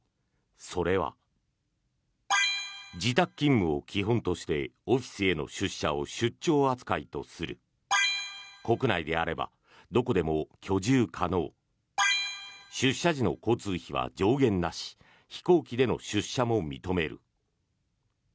それは、自宅勤務を基本としてオフィスへの出社を出張扱いとする国内であればどこでも居住可能出社時の交通費は上限なし飛行機での出社も認める。